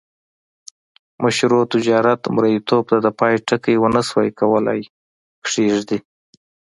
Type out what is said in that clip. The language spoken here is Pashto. مشروع تجارت مریتوب ته د پای ټکی ونه سوای کولای کښيږدي.